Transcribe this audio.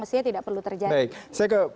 mestinya tidak perlu terjadi saya ke